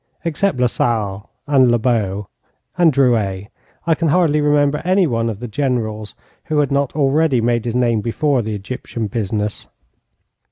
Except Lasalle, and Labau, and Drouet, I can hardly remember any one of the generals who had not already made his name before the Egyptian business.